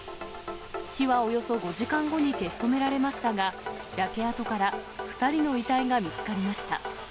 火はおよそ５時間後に消し止められましたが、焼け跡から２人の遺体が見つかりました。